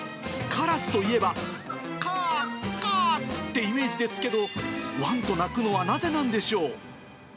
カラスといえば、カーカーってイメージですけど、ワンと鳴くのはなぜなんでしょう？